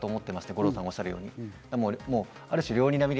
五郎さんがおっしゃるように。